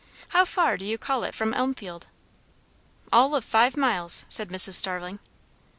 How far do you call it from Elmfield?" "All of five miles," said Mrs. Starling.